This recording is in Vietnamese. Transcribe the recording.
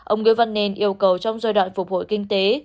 ông nguyễn văn nên yêu cầu trong giai đoạn phục hồi kinh tế